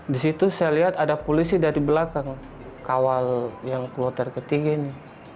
disitu saya lihat ada polisi dari belakang kawal yang keluar terketiga ini